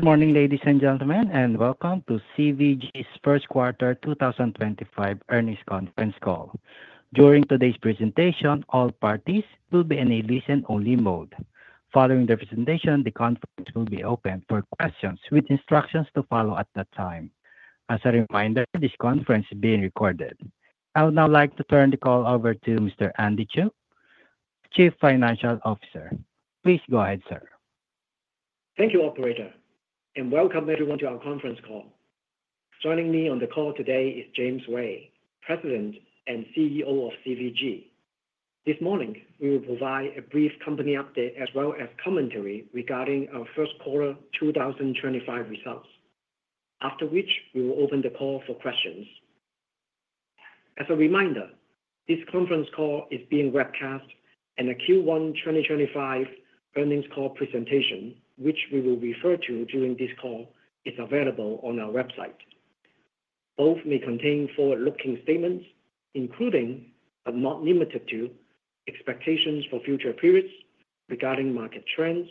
Good morning, ladies and gentlemen, and welcome to CVG's first quarter 2025 earnings conference call. During today's presentation, all parties will be in a listen-only mode. Following the presentation, the conference will be open for questions with instructions to follow at that time. As a reminder, this conference is being recorded. I would now like to turn the call over to Mr. Andy Cheung, Chief Financial Officer. Please go ahead, sir. Thank you, Operator, and welcome everyone to our conference call. Joining me on the call today is James Ray, President and CEO of CVG. This morning, we will provide a brief company update as well as commentary regarding our first quarter 2025 results, after which we will open the call for questions. As a reminder, this conference call is being webcast, and the Q1 2025 earnings call presentation, which we will refer to during this call, is available on our website. Both may contain forward-looking statements, including but not limited to expectations for future periods regarding market trends,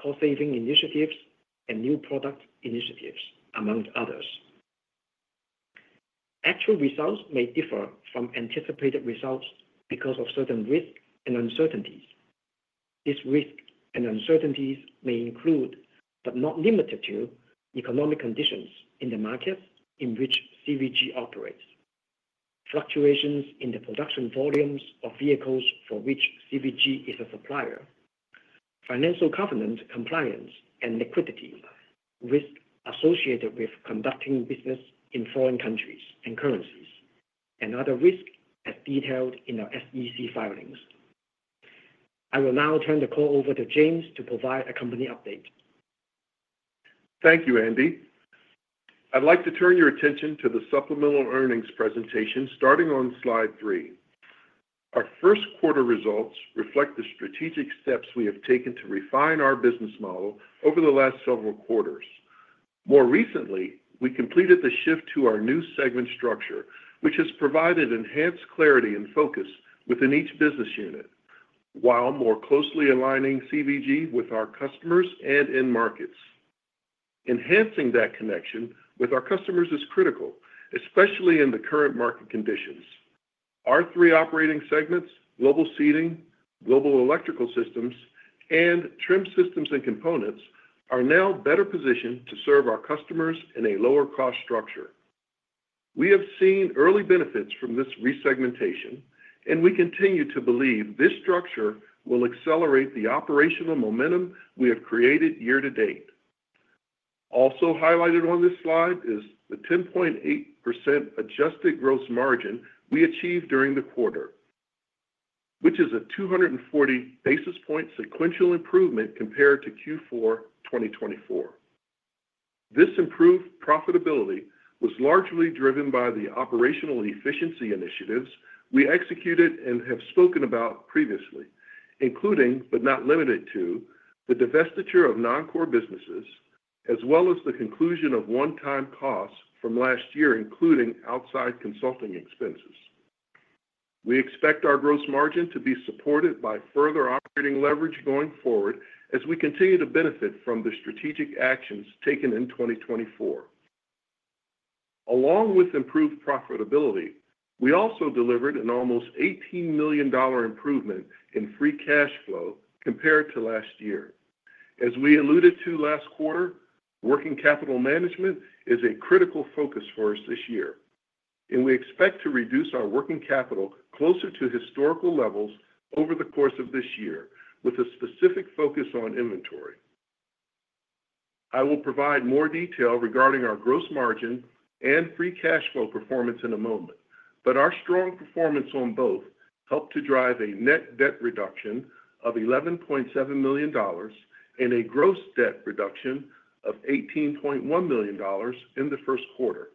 cost-saving initiatives, and new product initiatives, among others. Actual results may differ from anticipated results because of certain risks and uncertainties. These risks and uncertainties may include but not be limited to economic conditions in the markets in which CVG operates, fluctuations in the production volumes of vehicles for which CVG is a supplier, financial covenant compliance and liquidity, risks associated with conducting business in foreign countries and currencies, and other risks as detailed in our SEC filings. I will now turn the call over to James to provide a company update. Thank you, Andy. I'd like to turn your attention to the supplemental earnings presentation starting on slide three. Our first quarter results reflect the strategic steps we have taken to refine our business model over the last several quarters. More recently, we completed the shift to our new segment structure, which has provided enhanced clarity and focus within each business unit, while more closely aligning CVG with our customers and end markets. Enhancing that connection with our customers is critical, especially in the current market conditions. Our three operating segments, Global Seating, Global Electrical Systems, and Trim Systems and Components, are now better positioned to serve our customers in a lower-cost structure. We have seen early benefits from this resegmentation, and we continue to believe this structure will accelerate the operational momentum we have created year to date. Also highlighted on this slide is the 10.8% adjusted gross margin we achieved during the quarter, which is a 240 basis point sequential improvement compared to Q4 2024. This improved profitability was largely driven by the operational efficiency initiatives we executed and have spoken about previously, including but not limited to the divestiture of non-core businesses, as well as the conclusion of one-time costs from last year, including outside consulting expenses. We expect our gross margin to be supported by further operating leverage going forward as we continue to benefit from the strategic actions taken in 2024. Along with improved profitability, we also delivered an almost $18 million improvement in free cash flow compared to last year. As we alluded to last quarter, working capital management is a critical focus for us this year, and we expect to reduce our working capital closer to historical levels over the course of this year with a specific focus on inventory. I will provide more detail regarding our gross margin and free cash flow performance in a moment, but our strong performance on both helped to drive a net debt reduction of $11.7 million and a gross debt reduction of $18.1 million in the first quarter.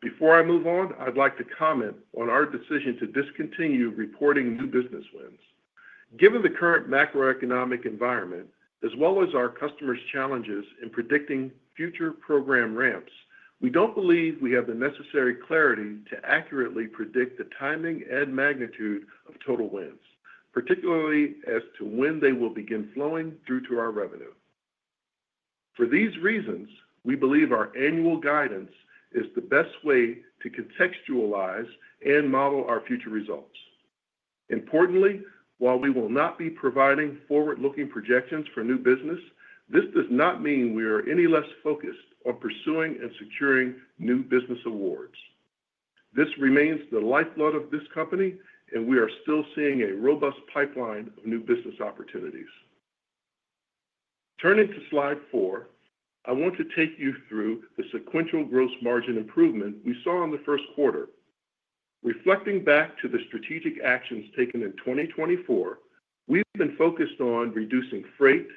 Before I move on, I'd like to comment on our decision to discontinue reporting new business wins. Given the current macroeconomic environment, as well as our customers' challenges in predicting future program ramps, we don't believe we have the necessary clarity to accurately predict the timing and magnitude of total wins, particularly as to when they will begin flowing through to our revenue. For these reasons, we believe our annual guidance is the best way to contextualize and model our future results. Importantly, while we will not be providing forward-looking projections for new business, this does not mean we are any less focused on pursuing and securing new business awards. This remains the lifeblood of this company, and we are still seeing a robust pipeline of new business opportunities. Turning to slide four, I want to take you through the sequential gross margin improvement we saw in the first quarter. Reflecting back to the strategic actions taken in 2024, we've been focused on reducing freight,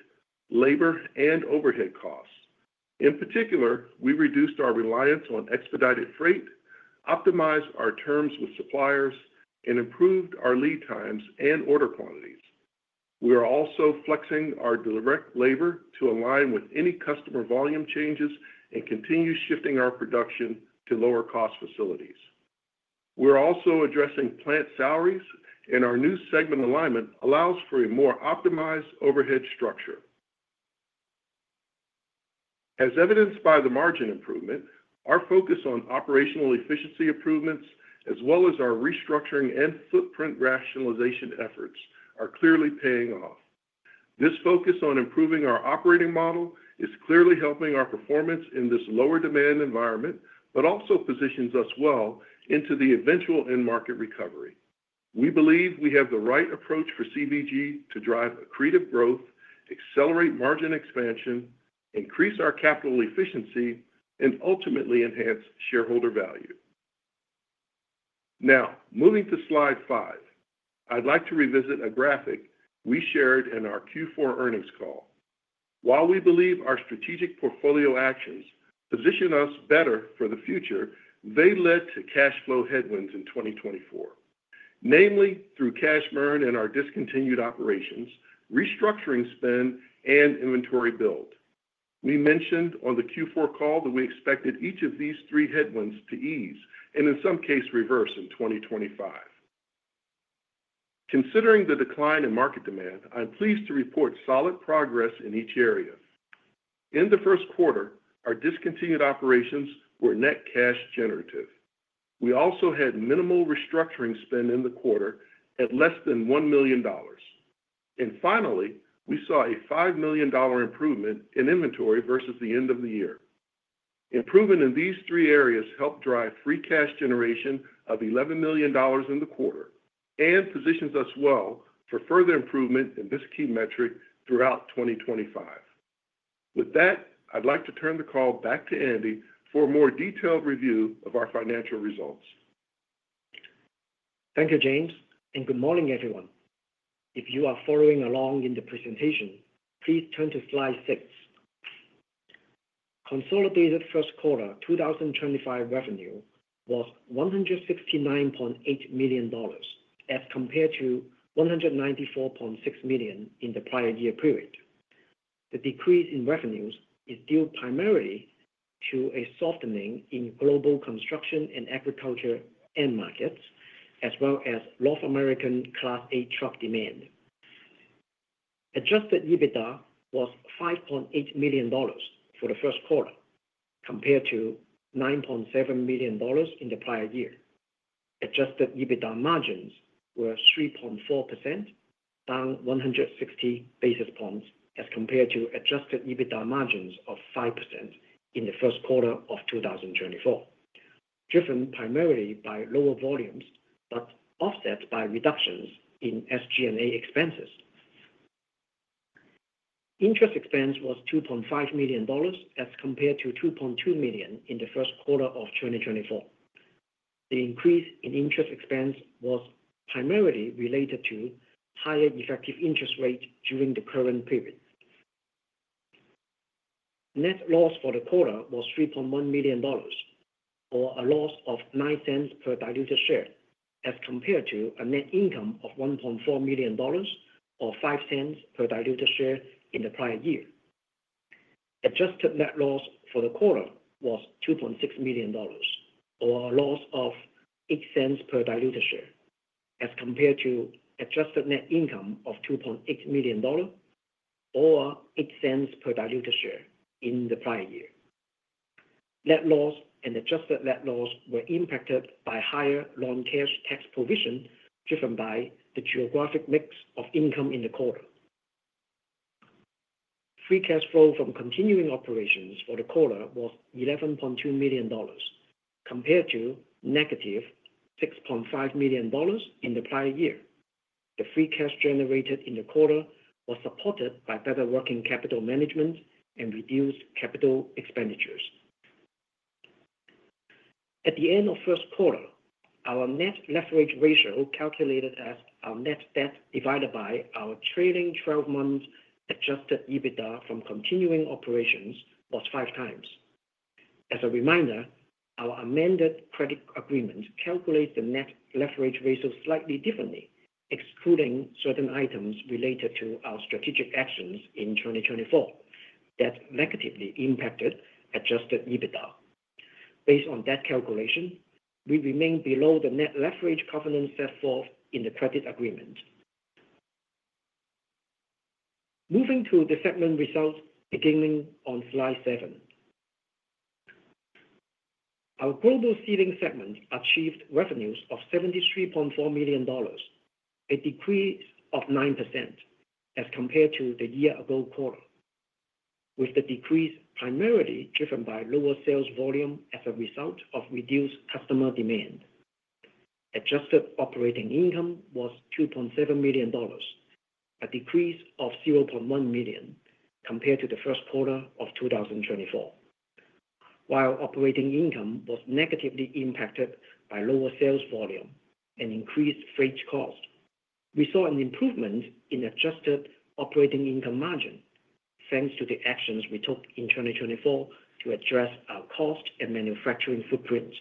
labor, and overhead costs. In particular, we reduced our reliance on expedited freight, optimized our terms with suppliers, and improved our lead times and order quantities. We are also flexing our direct labor to align with any customer volume changes and continue shifting our production to lower-cost facilities. We're also addressing plant salaries, and our new segment alignment allows for a more optimized overhead structure. As evidenced by the margin improvement, our focus on operational efficiency improvements, as well as our restructuring and footprint rationalization efforts, are clearly paying off. This focus on improving our operating model is clearly helping our performance in this lower-demand environment but also positions us well into the eventual end-market recovery. We believe we have the right approach for CVG to drive accretive growth, accelerate margin expansion, increase our capital efficiency, and ultimately enhance shareholder value. Now, moving to slide five, I'd like to revisit a graphic we shared in our Q4 earnings call. While we believe our strategic portfolio actions position us better for the future, they led to cash flow headwinds in 2024, namely through cash burn in our discontinued operations, restructuring spend, and inventory build. We mentioned on the Q4 call that we expected each of these three headwinds to ease and, in some cases, reverse in 2025. Considering the decline in market demand, I'm pleased to report solid progress in each area. In the first quarter, our discontinued operations were net cash generative. We also had minimal restructuring spend in the quarter at less than $1 million. Finally, we saw a $5 million improvement in inventory versus the end of the year. Improvement in these three areas helped drive free cash generation of $11 million in the quarter and positions us well for further improvement in this key metric throughout 2025. With that, I'd like to turn the call back to Andy for a more detailed review of our financial results. Thank you, James, and good morning, everyone. If you are following along in the presentation, please turn to slide six. Consolidated first quarter 2025 revenue was $169.8 million as compared to $194.6 million in the prior year period. The decrease in revenues is due primarily to a softening in global construction and agriculture end markets, as well as North American Class 8 truck demand. Adjusted EBITDA was $5.8 million for the first quarter compared to $9.7 million in the prior year. Adjusted EBITDA margins were 3.4%, down 160 basis points as compared to adjusted EBITDA margins of 5% in the first quarter of 2024, driven primarily by lower volumes but offset by reductions in SG&A expenses. Interest expense was $2.5 million as compared to $2.2 million in the first quarter of 2024. The increase in interest expense was primarily related to higher effective interest rates during the current period. Net loss for the quarter was $3.1 million, or a loss of $0.09 per diluted share, as compared to a net income of $1.4 million, or $0.05 per diluted share in the prior year. Adjusted net loss for the quarter was $2.6 million, or a loss of $0.08 per diluted share, as compared to adjusted net income of $2.8 million, or $0.08 per diluted share in the prior year. Net loss and adjusted net loss were impacted by higher non-cash tax provision driven by the geographic mix of income in the quarter. Free cash flow from continuing operations for the quarter was $11.2 million, compared to -$6.5 million in the prior year. The free cash generated in the quarter was supported by better working capital management and reduced capital expenditures. At the end of first quarter, our net leverage ratio calculated as our net debt divided by our trailing 12-month adjusted EBITDA from continuing operations was five times. As a reminder, our amended credit agreement calculates the net leverage ratio slightly differently, excluding certain items related to our strategic actions in 2024 that negatively impacted adjusted EBITDA. Based on that calculation, we remain below the net leverage covenant set forth in the credit agreement. Moving to the segment results beginning on slide seven. Our Global Seating segment achieved revenues of $73.4 million, a decrease of 9% as compared to the year-ago quarter, with the decrease primarily driven by lower sales volume as a result of reduced customer demand. Adjusted operating income was $2.7 million, a decrease of $0.1 million compared to the first quarter of 2024. While operating income was negatively impacted by lower sales volume and increased freight cost, we saw an improvement in adjusted operating income margin thanks to the actions we took in 2024 to address our cost and manufacturing footprint.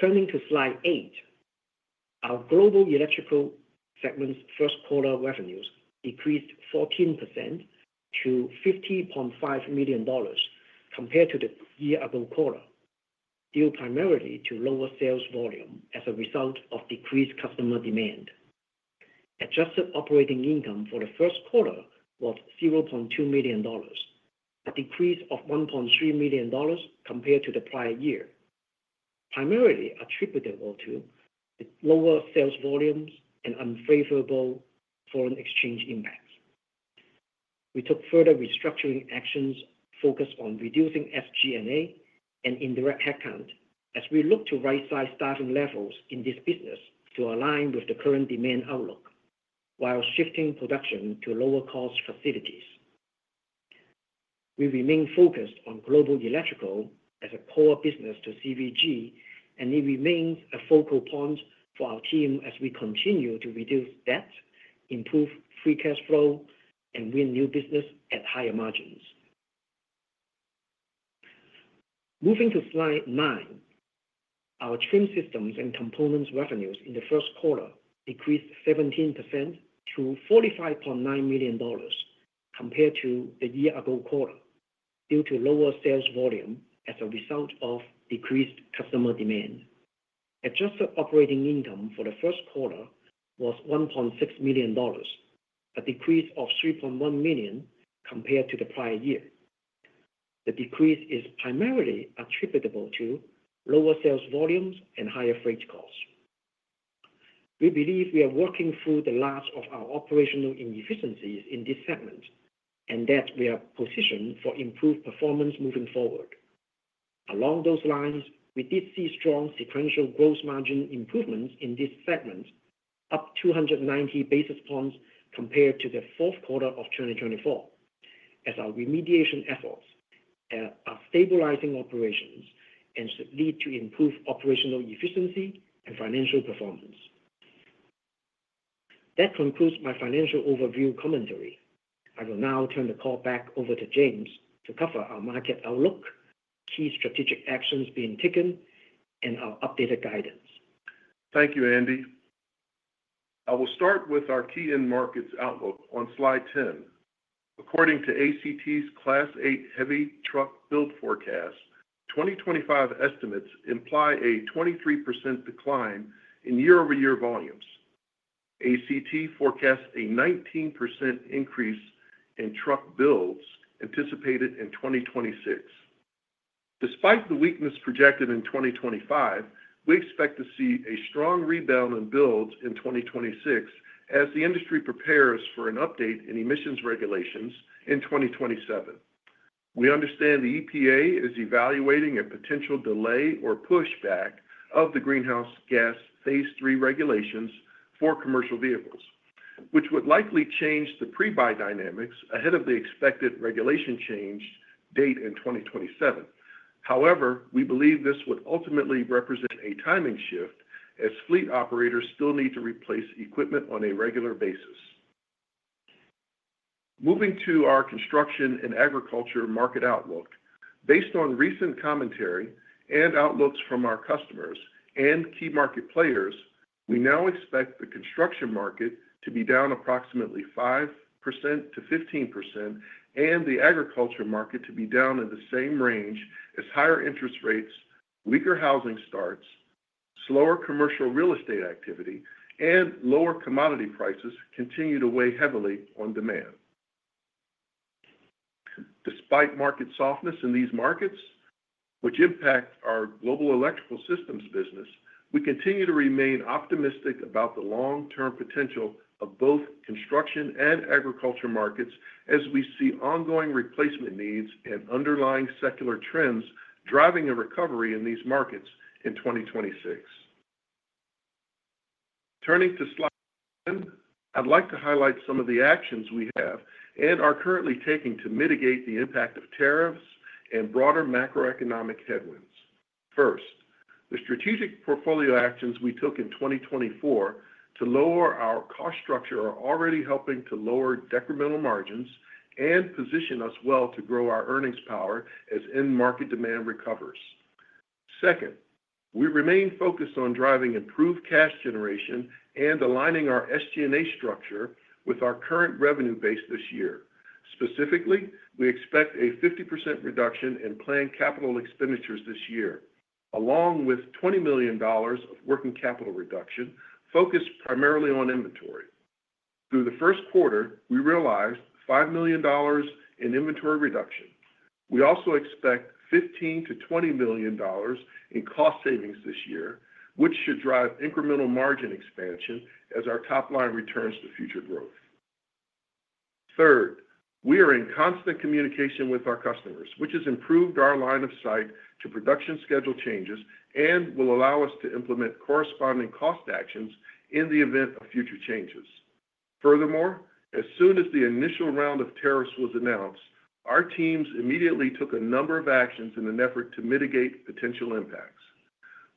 Turning to slide eight, our Global Electrical segment's first quarter revenues decreased 14% to $50.5 million compared to the year-ago quarter, due primarily to lower sales volume as a result of decreased customer demand. Adjusted operating income for the first quarter was $0.2 million, a decrease of $1.3 million compared to the prior year, primarily attributable to lower sales volumes and unfavorable foreign exchange impacts. We took further restructuring actions focused on reducing SG&A and indirect headcount as we look to right-size staffing levels in this business to align with the current demand outlook while shifting production to lower-cost facilities. We remain focused on Global Electrical as a core business to CVG, and it remains a focal point for our team as we continue to reduce debt, improve free cash flow, and win new business at higher margins. Moving to slide nine, our Trim Systems and Components revenues in the first quarter decreased 17%-$45.9 million compared to the year-ago quarter due to lower sales volume as a result of decreased customer demand. Adjusted operating income for the first quarter was $1.6 million, a decrease of $3.1 million compared to the prior year. The decrease is primarily attributable to lower sales volumes and higher freight costs. We believe we are working through the last of our operational inefficiencies in this segment and that we are positioned for improved performance moving forward. Along those lines, we did see strong sequential gross margin improvements in this segment, up 290 basis points compared to the fourth quarter of 2024, as our remediation efforts are stabilizing operations and should lead to improved operational efficiency and financial performance. That concludes my financial overview commentary. I will now turn the call back over to James to cover our market outlook, key strategic actions being taken, and our updated guidance. Thank you, Andy. I will start with our key end markets outlook on slide 10. According to ACT's Class 8 heavy truck build forecast, 2025 estimates imply a 23% decline in year-over-year volumes. ACT forecasts a 19% increase in truck builds anticipated in 2026. Despite the weakness projected in 2025, we expect to see a strong rebound in builds in 2026 as the industry prepares for an update in emissions regulations in 2027. We understand the EPA is evaluating a potential delay or pushback of the greenhouse gas phase three regulations for commercial vehicles, which would likely change the pre-buy dynamics ahead of the expected regulation change date in 2027. However, we believe this would ultimately represent a timing shift as fleet operators still need to replace equipment on a regular basis. Moving to our construction and agriculture market outlook, based on recent commentary and outlooks from our customers and key market players, we now expect the construction market to be down approximately 5%-15% and the agriculture market to be down in the same range as higher interest rates, weaker housing starts, slower commercial real estate activity, and lower commodity prices continue to weigh heavily on demand. Despite market softness in these markets, which impact our Global Electrical Systems business, we continue to remain optimistic about the long-term potential of both construction and agriculture markets as we see ongoing replacement needs and underlying secular trends driving a recovery in these markets in 2026. Turning to slide seven, I'd like to highlight some of the actions we have and are currently taking to mitigate the impact of tariffs and broader macroeconomic headwinds. First, the strategic portfolio actions we took in 2024 to lower our cost structure are already helping to lower decremental margins and position us well to grow our earnings power as end market demand recovers. Second, we remain focused on driving improved cash generation and aligning our SG&A structure with our current revenue base this year. Specifically, we expect a 50% reduction in planned capital expenditures this year, along with $20 million of working capital reduction focused primarily on inventory. Through the first quarter, we realized $5 million in inventory reduction. We also expect $15 million-$20 million in cost savings this year, which should drive incremental margin expansion as our top line returns to future growth. Third, we are in constant communication with our customers, which has improved our line of sight to production schedule changes and will allow us to implement corresponding cost actions in the event of future changes. Furthermore, as soon as the initial round of tariffs was announced, our teams immediately took a number of actions in an effort to mitigate potential impacts.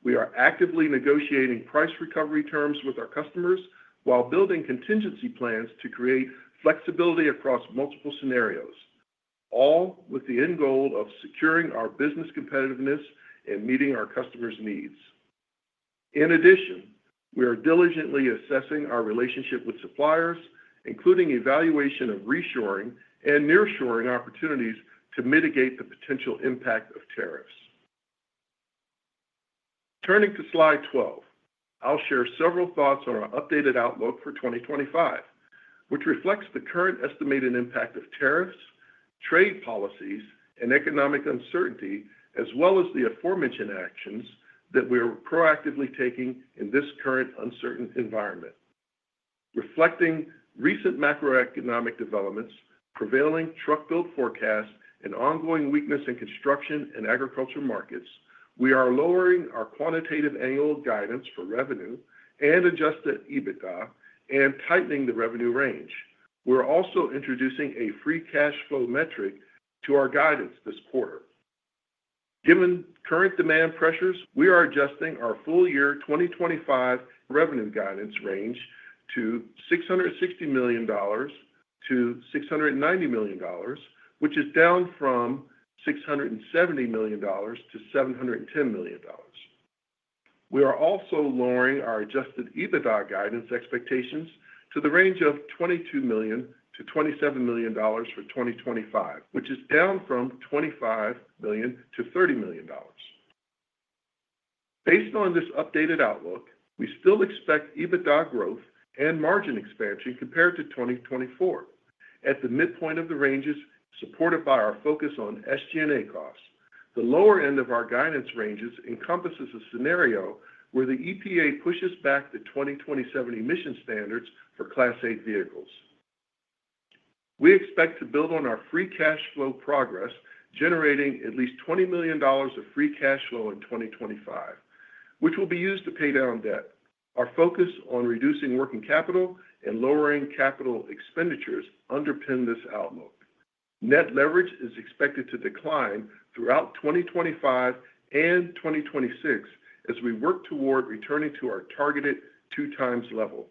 We are actively negotiating price recovery terms with our customers while building contingency plans to create flexibility across multiple scenarios, all with the end goal of securing our business competitiveness and meeting our customers' needs. In addition, we are diligently assessing our relationship with suppliers, including evaluation of reshoring and nearshoring opportunities to mitigate the potential impact of tariffs. Turning to slide 12, I'll share several thoughts on our updated outlook for 2025, which reflects the current estimated impact of tariffs, trade policies, and economic uncertainty, as well as the aforementioned actions that we are proactively taking in this current uncertain environment. Reflecting recent macroeconomic developments, prevailing truck build forecasts, and ongoing weakness in construction and agriculture markets, we are lowering our quantitative annual guidance for revenue and adjusted EBITDA and tightening the revenue range. We're also introducing a free cash flow metric to our guidance this quarter. Given current demand pressures, we are adjusting our full year 2025 revenue guidance range to $660 million-$690 million, which is down from $670 million-$710 million. We are also lowering our adjusted EBITDA guidance expectations to the range of $22 million-$27 million for 2025, which is down from $25 million-$30 million. Based on this updated outlook, we still expect EBITDA growth and margin expansion compared to 2024 at the midpoint of the ranges supported by our focus on SG&A costs. The lower end of our guidance ranges encompasses a scenario where the EPA pushes back the 2027 emission standards for Class 8 vehicles. We expect to build on our free cash flow progress, generating at least $20 million of free cash flow in 2025, which will be used to pay down debt. Our focus on reducing working capital and lowering capital expenditures underpins this outlook. Net leverage is expected to decline throughout 2025 and 2026 as we work toward returning to our targeted two-times level.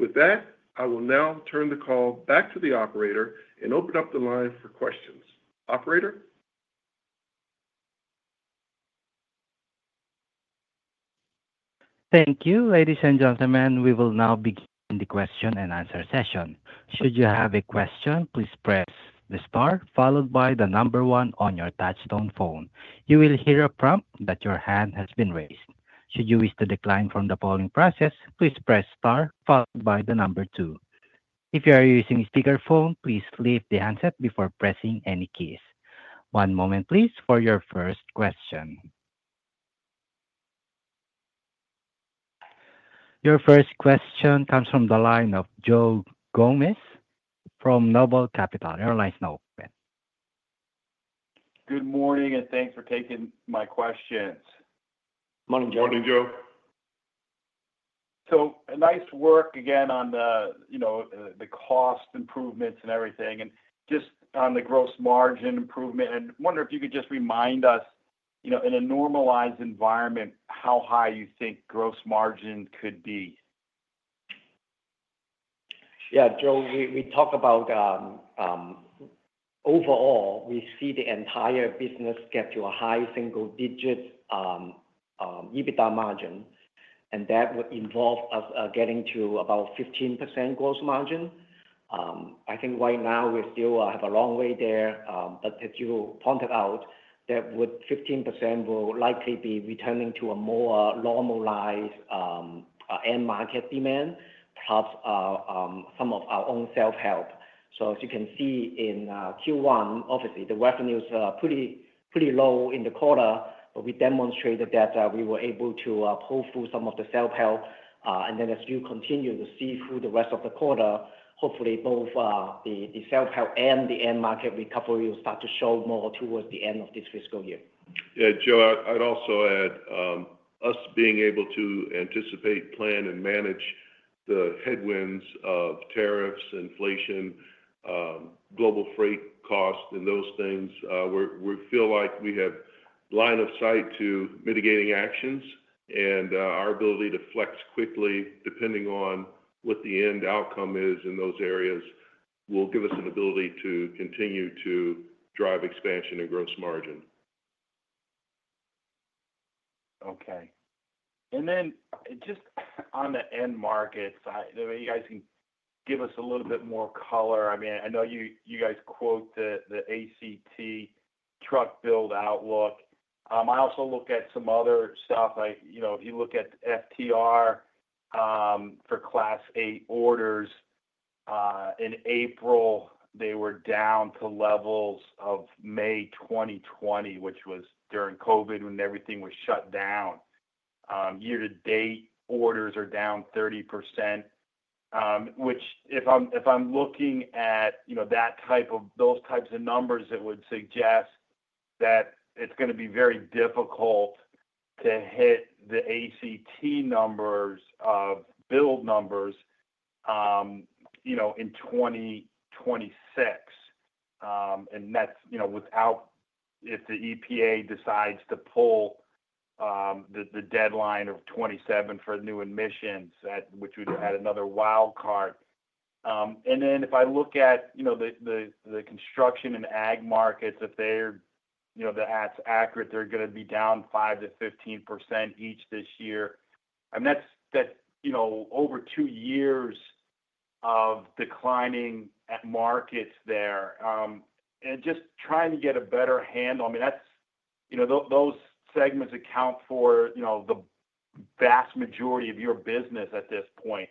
With that, I will now turn the call back to the operator and open up the line for questions. Operator. Thank you. Ladies and gentlemen, we will now begin the question and answer session. Should you have a question, please press the star followed by the number one on your touch-tone phone. You will hear a prompt that your hand has been raised. Should you wish to decline from the following process, please press star followed by the number two. If you are using a speakerphone, please lift the handset before pressing any keys. One moment, please, for your first question. Your first question comes from the line of Joe Gomes from Noble Capital. Your line is open. Good morning, and thanks for taking my questions. Good morning, Joe. Morning, Joe. Nice work again on the cost improvements and everything, and just on the gross margin improvement. I wonder if you could just remind us, in a normalized environment, how high you think gross margin could be. Yeah, Joe, we talk about overall, we see the entire business get to a high single-digit EBITDA margin, and that would involve us getting to about 15% gross margin. I think right now we still have a long way there, but as you pointed out, that 15% will likely be returning to a more normalized end market demand, plus some of our own self-help. As you can see in Q1, obviously, the revenues are pretty low in the quarter, but we demonstrated that we were able to pull through some of the self-help, and then as you continue to see through the rest of the quarter, hopefully both the self-help and the end market recovery will start to show more towards the end of this fiscal year. Yeah, Joe, I'd also add us being able to anticipate, plan, and manage the headwinds of tariffs, inflation, global freight costs, and those things. We feel like we have line of sight to mitigating actions, and our ability to flex quickly depending on what the end outcome is in those areas will give us an ability to continue to drive expansion and gross margin. Okay. And then just on the end markets, maybe you guys can give us a little bit more color. I mean, I know you guys quote the ACT truck build outlook. I also look at some other stuff. If you look at FTR for Class 8 orders in April, they were down to levels of May 2020, which was during COVID when everything was shut down. Year-to-date orders are down 30%, which if I'm looking at those types of numbers, it would suggest that it's going to be very difficult to hit the ACT numbers of build numbers in 2026. That's without if the EPA decides to pull the deadline of 2027 for new emissions, which would add another wildcard. If I look at the construction and ag markets, if that's accurate, they're going to be down 5%-15% each this year. I mean, that's over two years of declining end markets there. I'm just trying to get a better handle. I mean, those segments account for the vast majority of your business at this point.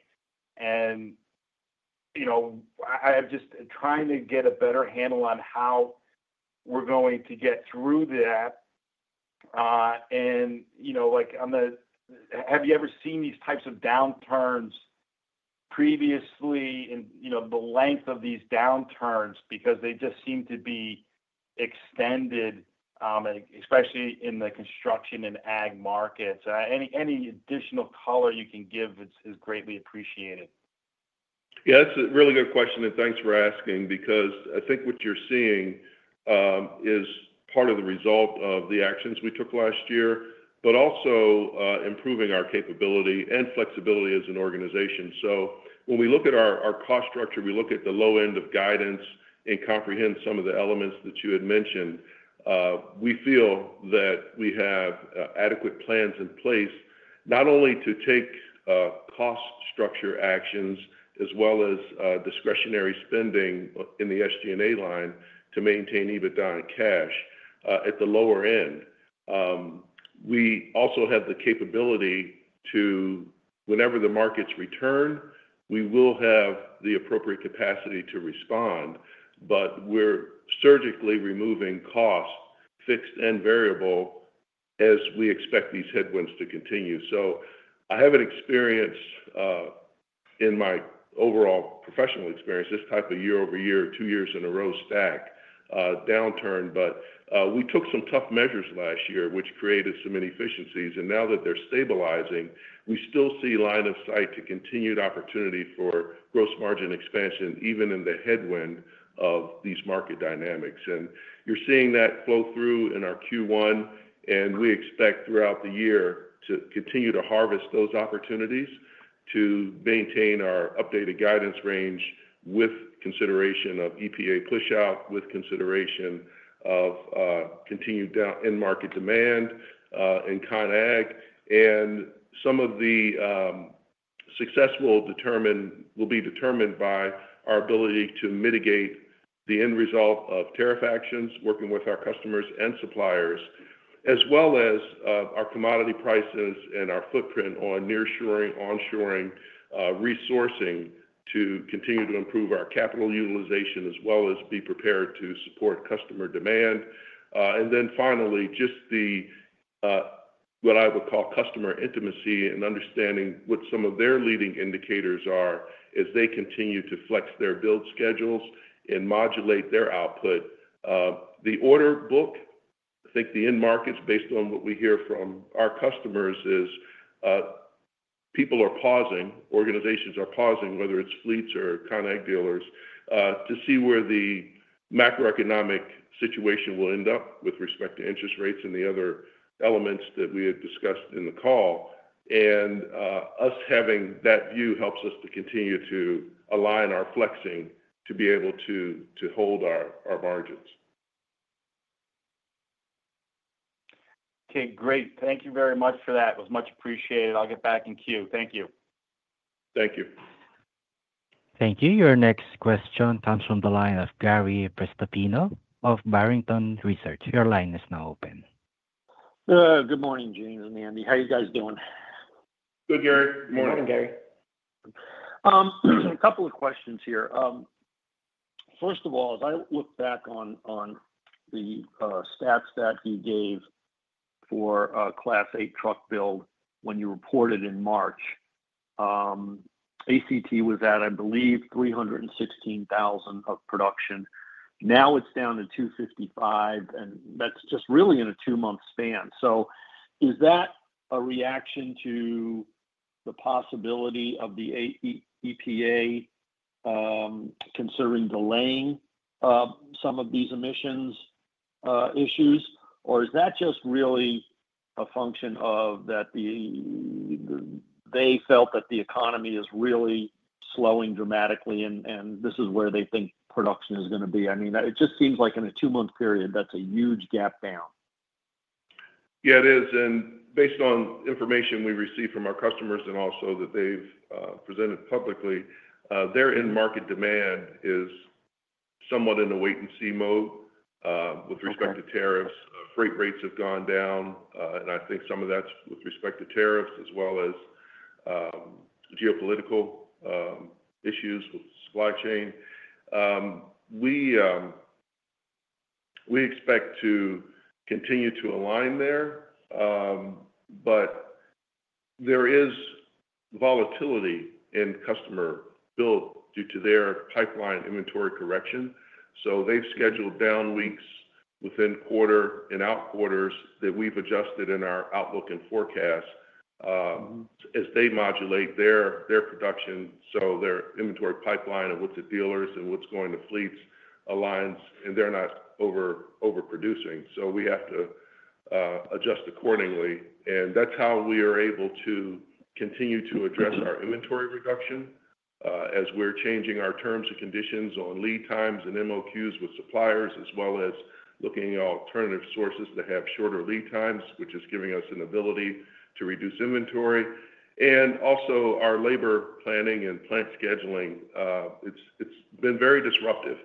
I'm just trying to get a better handle on how we're going to get through that. Have you ever seen these types of downturns previously in the length of these downturns? They just seem to be extended, especially in the construction and ag markets. Any additional color you can give is greatly appreciated. Yeah, that's a really good question, and thanks for asking, because I think what you're seeing is part of the result of the actions we took last year, but also improving our capability and flexibility as an organization. When we look at our cost structure, we look at the low end of guidance and comprehend some of the elements that you had mentioned. We feel that we have adequate plans in place, not only to take cost structure actions as well as discretionary spending in the SG&A line to maintain EBITDA and cash at the lower end. We also have the capability to, whenever the markets return, we will have the appropriate capacity to respond, but we're surgically removing cost, fixed and variable, as we expect these headwinds to continue. I haven't experienced, in my overall professional experience, this type of year-over-year, two years in a row stack downturn, but we took some tough measures last year, which created some inefficiencies. Now that they're stabilizing, we still see line of sight to continued opportunity for gross margin expansion, even in the headwind of these market dynamics. You're seeing that flow through in our Q1, and we expect throughout the year to continue to harvest those opportunities to maintain our updated guidance range with consideration of EPA push-out, with consideration of continued end market demand in con ag. Some of the success will be determined by our ability to mitigate the end result of tariff actions, working with our customers and suppliers, as well as our commodity prices and our footprint on nearshoring, onshoring, resourcing to continue to improve our capital utilization, as well as be prepared to support customer demand. Finally, just what I would call customer intimacy and understanding what some of their leading indicators are as they continue to flex their build schedules and modulate their output. The order book, I think the end markets, based on what we hear from our customers, is people are pausing, organizations are pausing, whether it's fleets or con ag dealers, to see where the macroeconomic situation will end up with respect to interest rates and the other elements that we had discussed in the call. Us having that view helps us to continue to align our flexing to be able to hold our margins. Okay, great. Thank you very much for that. It was much appreciated. I'll get back in queue. Thank you. Thank you. Thank you. Your next question comes from the line of Gary Prestopino of Barrington Research. Your line is now open. Good morning, James and Andy. How are you guys doing? Good, Gary. Good morning. Morning, Gary. A couple of questions here. First of all, as I look back on the stats that you gave for Class 8 truck build when you reported in March, ACT was at, I believe, 316,000 of production. Now it's down to 255,000, and that's just really in a two-month span. Is that a reaction to the possibility of the EPA considering delaying some of these emissions issues, or is that just really a function of that they felt that the economy is really slowing dramatically, and this is where they think production is going to be? I mean, it just seems like in a two-month period, that's a huge gap down. Yeah, it is. Based on information we received from our customers and also that they've presented publicly, their end market demand is somewhat in a wait-and-see mode with respect to tariffs. Freight rates have gone down, and I think some of that's with respect to tariffs as well as geopolitical issues with supply chain. We expect to continue to align there, but there is volatility in customer build due to their pipeline inventory correction. They have scheduled down weeks within quarter and out quarters that we've adjusted in our outlook and forecast as they modulate their production. Their inventory pipeline and with the dealers and what's going to fleets aligns, and they're not overproducing. We have to adjust accordingly. That is how we are able to continue to address our inventory reduction as we're changing our terms and conditions on lead times and MOQs with suppliers, as well as looking at alternative sources that have shorter lead times, which is giving us an ability to reduce inventory. Also, our labor planning and plant scheduling, it's been very disruptive,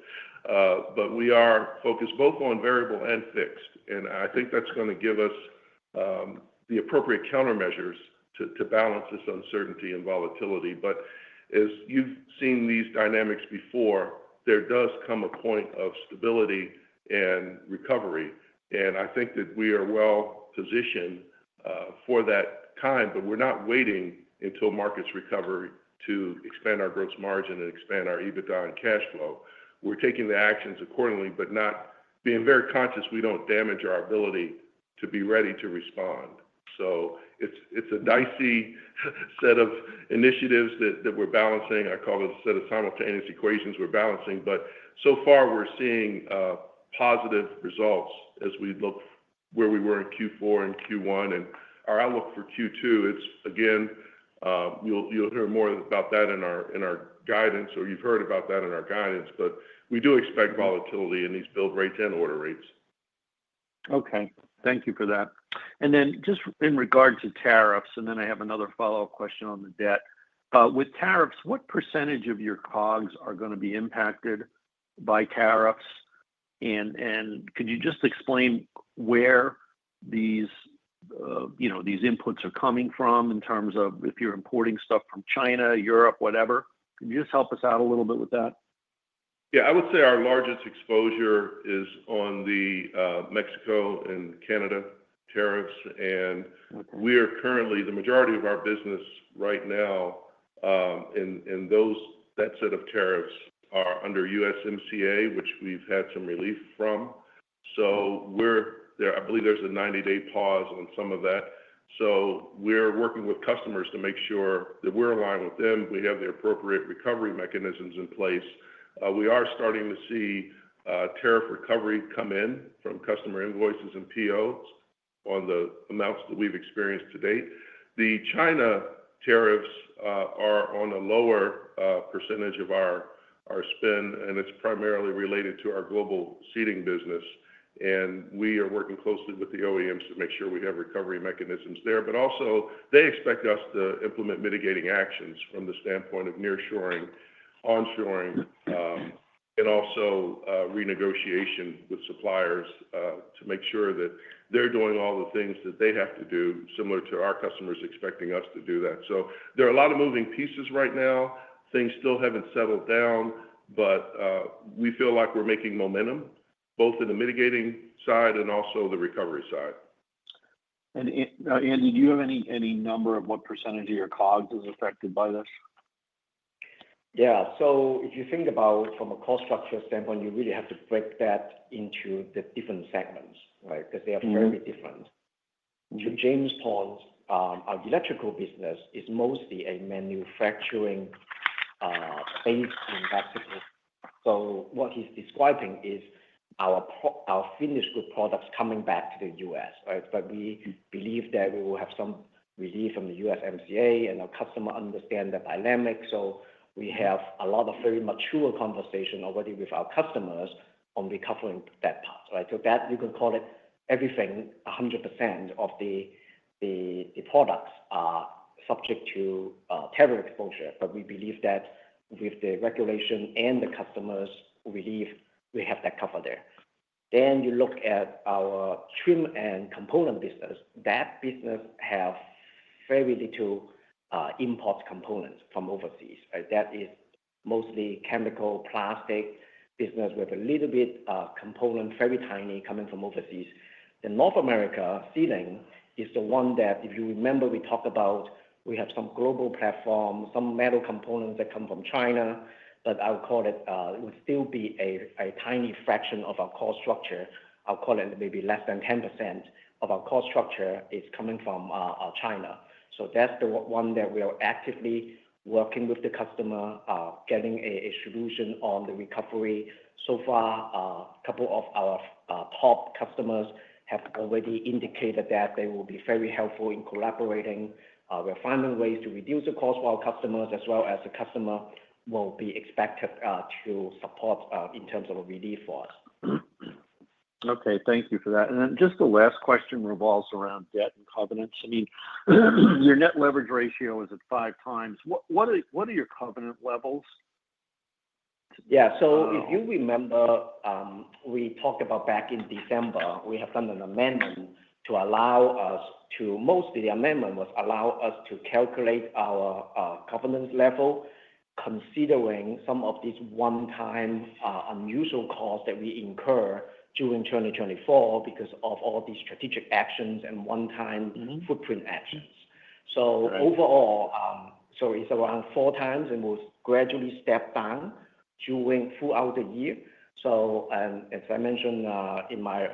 but we are focused both on variable and fixed. I think that's going to give us the appropriate countermeasures to balance this uncertainty and volatility. As you've seen these dynamics before, there does come a point of stability and recovery. I think that we are well positioned for that time, but we're not waiting until markets recover to expand our gross margin and expand our EBITDA and cash flow. We're taking the actions accordingly, but being very conscious we don't damage our ability to be ready to respond. It's a dicey set of initiatives that we're balancing. I call it a set of simultaneous equations we're balancing. So far, we're seeing positive results as we look where we were in Q4 and Q1. Our outlook for Q2, again, you'll hear more about that in our guidance, or you've heard about that in our guidance, but we do expect volatility in these build rates and order rates. Okay. Thank you for that. In regard to tariffs, I have another follow-up question on the debt. With tariffs, what percentage of your COGS are going to be impacted by tariffs? Could you just explain where these inputs are coming from in terms of if you're importing stuff from China, Europe, whatever? Could you just help us out a little bit with that? Yeah, I would say our largest exposure is on the Mexico and Canada tariffs. We are currently, the majority of our business right now, and that set of tariffs are under USMCA, which we've had some relief from. I believe there's a 90-day pause on some of that. We are working with customers to make sure that we're aligned with them. We have the appropriate recovery mechanisms in place. We are starting to see tariff recovery come in from customer invoices and POs on the amounts that we've experienced to date. The China tariffs are on a lower percentage of our spend, and it's primarily related to our Global Seating business. We are working closely with the OEMs to make sure we have recovery mechanisms there. They expect us to implement mitigating actions from the standpoint of nearshoring, onshoring, and also renegotiation with suppliers to make sure that they're doing all the things that they have to do, similar to our customers expecting us to do that. There are a lot of moving pieces right now. Things still haven't settled down, but we feel like we're making momentum both in the mitigating side and also the recovery side. Andy, do you have any number of what percentage of your COGS is affected by this? Yeah. If you think about it from a cost structure standpoint, you really have to break that into the different segments, right, because they are very different. James Ray electrical business is mostly a manufacturing-based industrial. What he is describing is our finished good products coming back to the U.S., right? We believe that we will have some relief from the USMCA, and our customers understand the dynamic. We have a lot of very mature conversation already with our customers on recovering that part, right? You can call it everything, 100% of the products are subject to tariff exposure, but we believe that with the regulation and the customers' relief, we have that cover there. You look at our trim and component business. That business has very little import components from overseas, right? That is mostly chemical, plastic business with a little bit of component, very tiny, coming from overseas. The North America sealing is the one that, if you remember, we talked about we have some global platform, some metal components that come from China, but I'll call it would still be a tiny fraction of our cost structure. I'll call it maybe less than 10% of our cost structure is coming from China. That is the one that we are actively working with the customer, getting a solution on the recovery. So far, a couple of our top customers have already indicated that they will be very helpful in collaborating. We're finding ways to reduce the cost for our customers, as well as the customer will be expected to support in terms of relief for us. Okay. Thank you for that. I mean, just the last question revolves around debt and covenants. I mean, your net leverage ratio is at five times. What are your covenant levels? Yeah. If you remember, we talked about back in December, we have done an amendment to allow us to—mostly the amendment was to allow us to calculate our covenant level considering some of these one-time unusual costs that we incur during 2024 because of all these strategic actions and one-time footprint actions. Overall, it is around four times, and it will gradually step down throughout the year. As I mentioned in my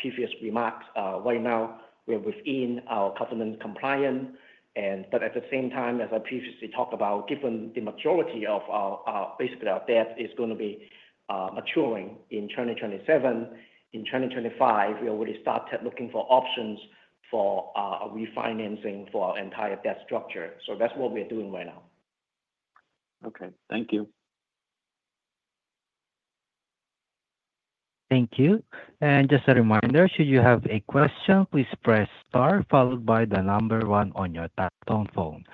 previous remarks, right now we are within our covenant compliance. At the same time, as I previously talked about, given the majority of our debt is going to be maturing in 2027, in 2025 we already started looking for options for refinancing for our entire debt structure. That is what we are doing right now. Okay. Thank you. Thank you. Just a reminder, should you have a question, please press star followed by the number one on your telephone.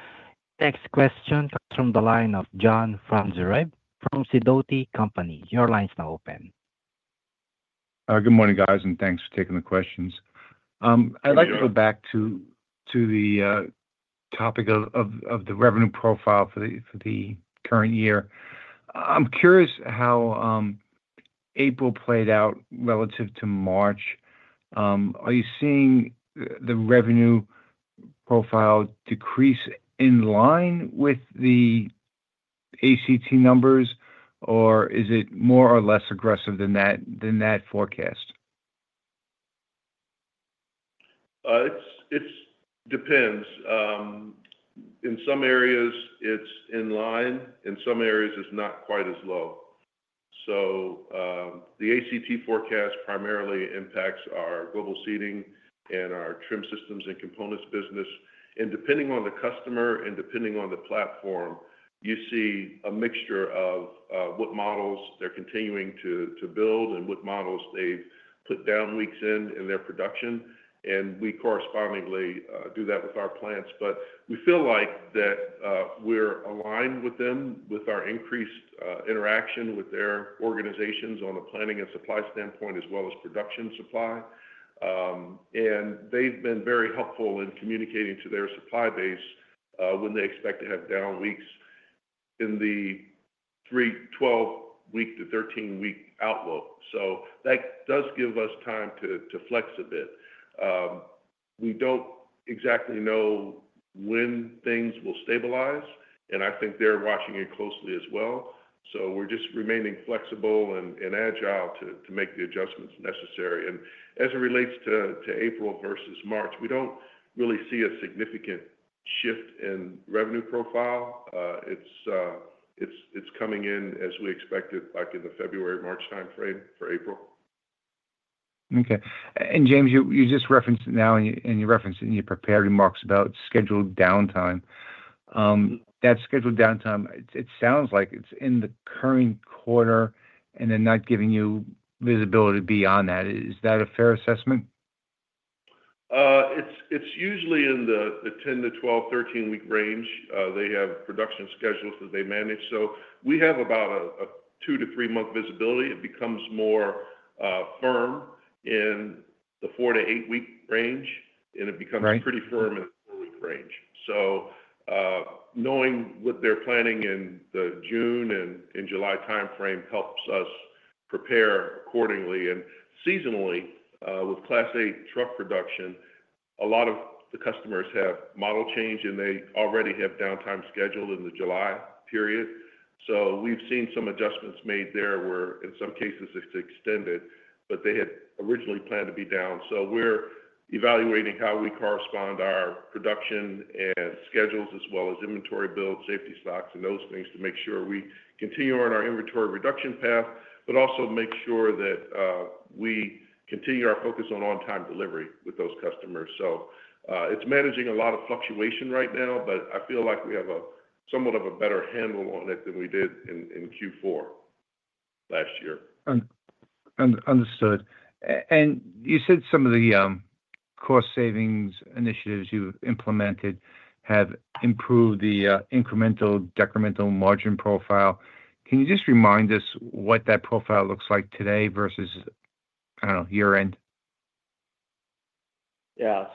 Next question comes from the line of John from Sidoti & Company. Your line is now open. Good morning, guys, and thanks for taking the questions. I'd like to go back to the topic of the revenue profile for the current year. I'm curious how April played out relative to March. Are you seeing the revenue profile decrease in line with the ACT numbers, or is it more or less aggressive than that forecast? It depends. In some areas, it's in line. In some areas, it's not quite as low. The ACT forecast primarily impacts our Global Seating and our Trim Systems and Components business. Depending on the customer and depending on the platform, you see a mixture of what models they're continuing to build and what models they've put down weeks in in their production. We correspondingly do that with our plants. We feel like that we're aligned with them with our increased interaction with their organizations on the planning and supply standpoint as well as production supply. They've been very helpful in communicating to their supply base when they expect to have down weeks in the 12-week to 13-week outlook. That does give us time to flex a bit. We don't exactly know when things will stabilize, and I think they're watching it closely as well. We're just remaining flexible and agile to make the adjustments necessary. As it relates to April versus March, we don't really see a significant shift in revenue profile. It's coming in as we expected back in the February/March timeframe for April. Okay. James, you just referenced now, and you referenced in your prepared remarks about scheduled downtime. That scheduled downtime, it sounds like it is in the current quarter and then not giving you visibility beyond that. Is that a fair assessment? It's usually in the 10-12, 13-week range. They have production schedules that they manage. We have about a two to three-month visibility. It becomes more firm in the four to eight-week range, and it becomes pretty firm in the four-week range. Knowing what they're planning in the June and July timeframe helps us prepare accordingly. Seasonally, with Class 8 truck production, a lot of the customers have model change, and they already have downtime scheduled in the July period. We've seen some adjustments made there where, in some cases, it's extended, but they had originally planned to be down. We're evaluating how we correspond our production and schedules as well as inventory builds, safety stocks, and those things to make sure we continue on our inventory reduction path, but also make sure that we continue our focus on on-time delivery with those customers. It's managing a lot of fluctuation right now, but I feel like we have somewhat of a better handle on it than we did in Q4 last year. Understood. You said some of the cost savings initiatives you implemented have improved the incremental-decremental margin profile. Can you just remind us what that profile looks like today versus, I don't know, year-end? Yeah. I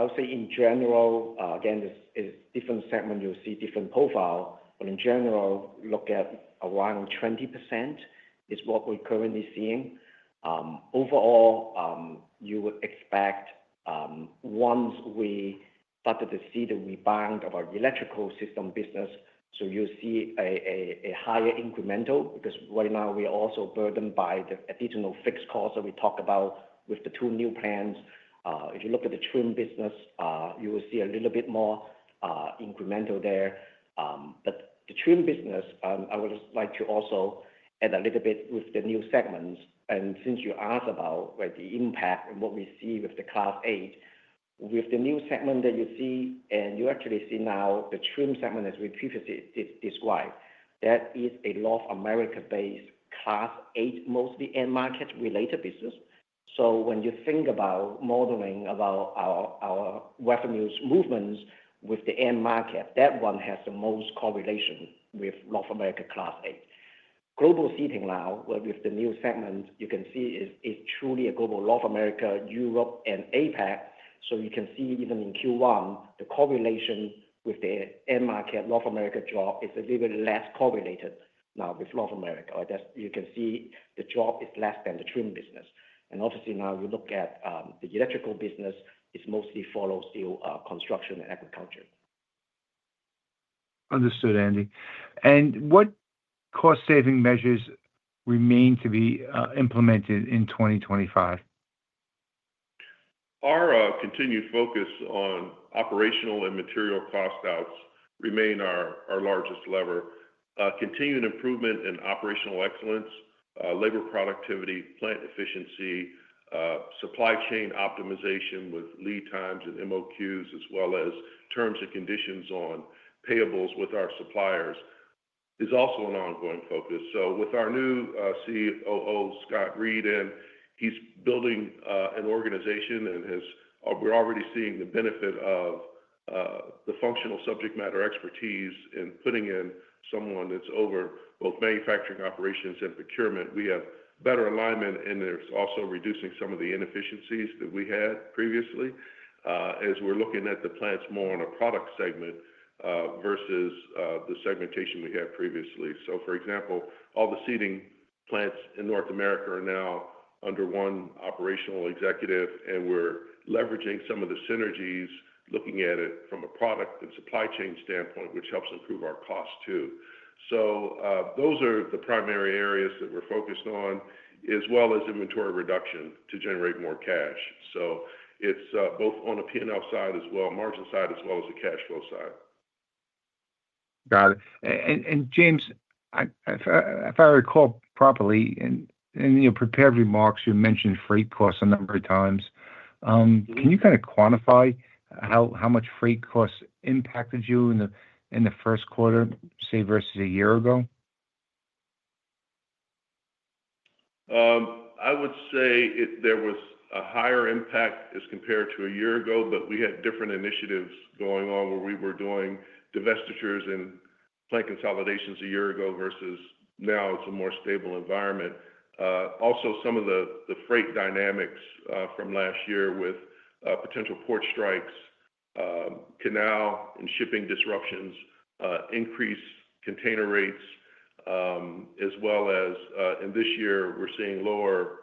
would say in general, again, it's different segment. You'll see different profile. In general, look at around 20% is what we're currently seeing. Overall, you would expect once we started to see the rebound of our electrical system business, you'll see a higher incremental because right now we're also burdened by the additional fixed costs that we talked about with the two new plants. If you look at the trim business, you will see a little bit more incremental there. The trim business, I would like to also add a little bit with the new segments. Since you asked about the impact and what we see with the Class 8, with the new segment that you see, you actually see now the trim segment as we previously described, that is a North America-based Class 8 mostly end market related business. When you think about modeling about our revenue movements with the end market, that one has the most correlation with North America Class 8. Global Seating now with the new segment, you can see it is truly a global North America, Europe, and APAC. You can see even in Q1, the correlation with the end market North America job is a little bit less correlated now with North America. You can see the job is less than the Trim business. Obviously now you look at the electrical business, it is mostly followed still construction and agriculture. Understood, Andy. What cost-saving measures remain to be implemented in 2025? Our continued focus on operational and material cost outs remain our largest lever. Continued improvement in operational excellence, labor productivity, plant efficiency, supply chain optimization with lead times and MOQs, as well as terms and conditions on payables with our suppliers is also an ongoing focus. With our new COO, Scott Reed, and he's building an organization, and we're already seeing the benefit of the functional subject matter expertise in putting in someone that's over both manufacturing operations and procurement. We have better alignment, and it's also reducing some of the inefficiencies that we had previously as we're looking at the plants more on a product segment versus the segmentation we had previously. For example, all the seating plants in North America are now under one operational executive, and we're leveraging some of the synergies, looking at it from a product and supply chain standpoint, which helps improve our cost too. Those are the primary areas that we're focused on, as well as inventory reduction to generate more cash. It is both on a P&L side as well, margin side, as well as the cash flow side. Got it. James, if I recall properly, in your prepared remarks, you mentioned freight costs a number of times. Can you kind of quantify how much freight costs impacted you in the first quarter, say, versus a year ago? I would say there was a higher impact as compared to a year ago, but we had different initiatives going on where we were doing divestitures and plant consolidations a year ago versus now it's a more stable environment. Also, some of the freight dynamics from last year with potential port strikes, canal and shipping disruptions, increased container rates, as well as in this year, we're seeing lower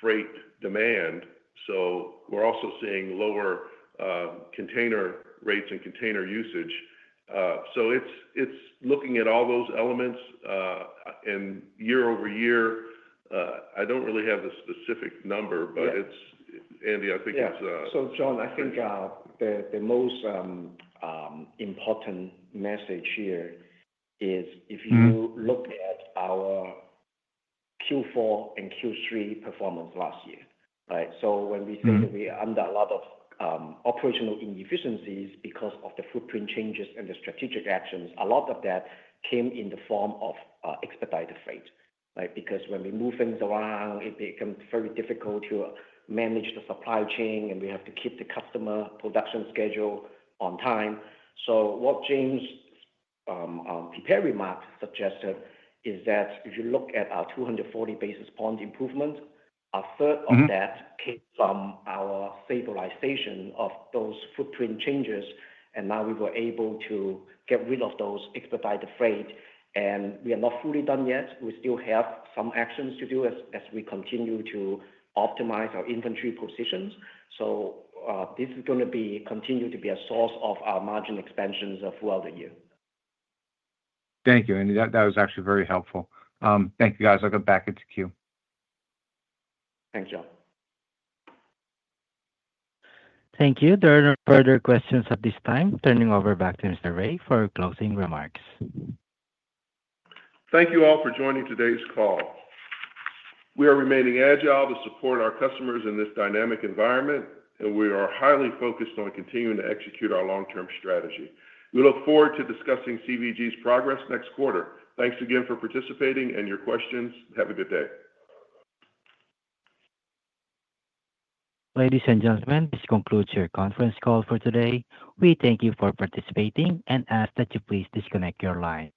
freight demand. We're also seeing lower container rates and container usage. It's looking at all those elements year over year. I don't really have the specific number, but Andy, I think it's. Yeah. John, I think the most important message here is if you look at our Q4 and Q3 performance last year, right? When we say that we are under a lot of operational inefficiencies because of the footprint changes and the strategic actions, a lot of that came in the form of expedited freight, right? When we move things around, it becomes very difficult to manage the supply chain, and we have to keep the customer production schedule on time. What James' prepared remark suggested is that if you look at our 240 basis point improvement, a third of that came from our stabilization of those footprint changes. Now we were able to get rid of those expedited freight. We are not fully done yet. We still have some actions to do as we continue to optimize our inventory positions. This is going to continue to be a source of our margin expansions throughout the year. Thank you, Andy. That was actually very helpful. Thank you, guys. I'll go back into queue. Thanks, John. Thank you. There are no further questions at this time. Turning over back to Mr. Ray for closing remarks. Thank you all for joining today's call. We are remaining agile to support our customers in this dynamic environment, and we are highly focused on continuing to execute our long-term strategy. We look forward to discussing CVG's progress next quarter. Thanks again for participating and your questions. Have a good day. Ladies and gentlemen, this concludes your conference call for today. We thank you for participating and ask that you please disconnect your line.